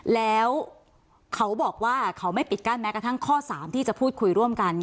แล้วเขาบอกว่าเขาไม่ปิดกั้นแม้กระทั่งข้อ๓ที่จะพูดคุยร่วมกัน